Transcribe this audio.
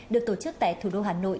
được tổ chức tại thủ đô hà nội